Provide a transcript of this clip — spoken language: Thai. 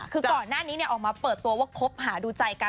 คือก่อนหน้านี้ออกมาเปิดตัวว่าคบหาดูใจกัน